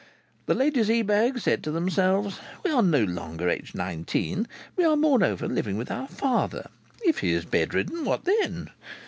The ladies Ebag said to themselves: "We are no longer aged nineteen. We are moreover living with our father. If he is bedridden, what then?